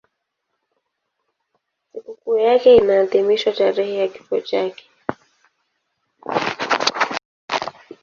Sikukuu yake inaadhimishwa tarehe ya kifo chake.